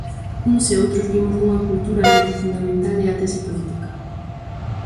Uns e outros vimos dunha cultura no que o fundamental é a tese política.